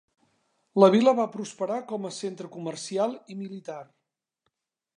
La vila va prosperar com a centre comercial i militar.